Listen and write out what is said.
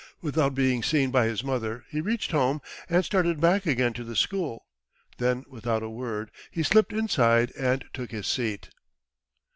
Without being seen by his mother, he reached home, and started back again to the school. Then, without a word, he slipped inside and took his seat.